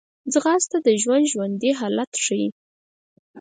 ځغاسته د ژوند ژوندي حالت ښيي